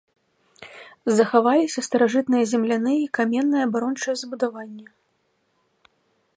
Захаваліся старажытныя земляныя і каменныя абарончыя збудаванні.